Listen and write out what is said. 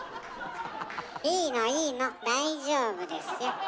いいのいいの大丈夫ですよ。